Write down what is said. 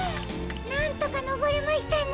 なんとかのぼれましたね。